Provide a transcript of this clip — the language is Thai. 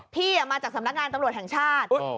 มาจากสำนักงานตำรวจแห่งชาติ